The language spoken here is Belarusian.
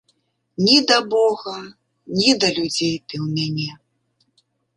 Ні да бога, ні да людзей ты ў мяне!